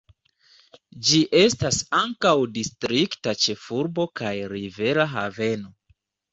Ĝi estas ankaŭ distrikta ĉefurbo kaj rivera haveno.